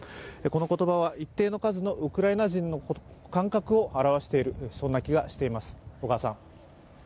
この言葉は一定の数のウクライナ人の感覚を表している、そんな気がしています。